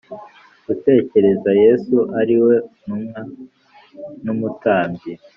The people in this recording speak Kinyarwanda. gutekereza Yesu ari we ntumwa n umutambyi